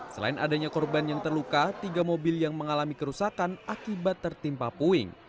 selain adanya korban yang terluka tiga mobil yang mengalami kerusakan akibat tertimpa puing